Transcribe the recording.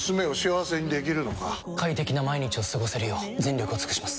快適な毎日を過ごせるよう全力を尽くします！